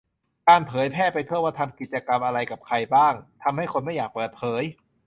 การเผยแพร่ไปทั่วว่าทำกิจกรรมอะไรกับใครบ้าง ทำให้คนไม่อยากเปิดเผย